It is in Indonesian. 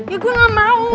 ya gue gak mau